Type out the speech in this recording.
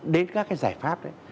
đến các cái giải pháp đấy